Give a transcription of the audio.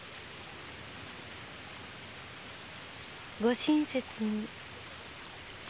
ご親切に。さ！